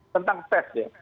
tentang tes ya